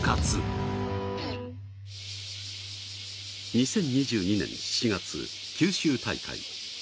２０２２年７月、九州大会。